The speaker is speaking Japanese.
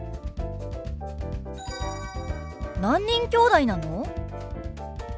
何人きょうだいなの？